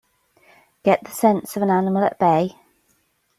Get the sense of an animal at bay!